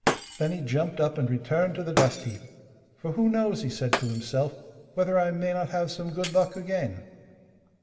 Then he jumped up and returned to the dust heap. 'For who knows,' he said to himself, 'whether I may not have some good luck again.